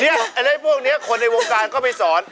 ไอ้พวกนี้คนในวงการเข้าไปสอน